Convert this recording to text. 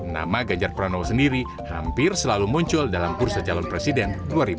nama ganjar pranowo sendiri hampir selalu muncul dalam bursa calon presiden dua ribu dua puluh